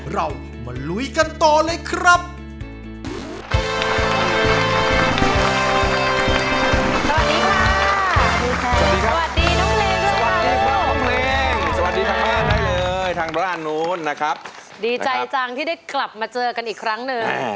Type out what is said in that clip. สวัสดีครับได้เลยทางด้านนู้นนะครับดีใจจังที่ได้กลับมาเจอกันอีกครั้งหนึ่ง